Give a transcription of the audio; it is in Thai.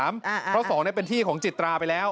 เพราะ๒เป็นที่ของจิตราไปแล้ว